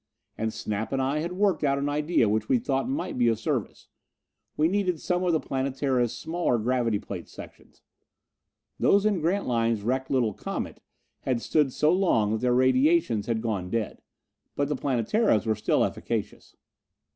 And Snap and I had worked out an idea which we thought might be of service. We needed some of the Planetara's smaller gravity plate sections. Those in Grantline's wrecked little Comet had stood so long that their radiations had gone dead. But the Planetara's were still efficacious.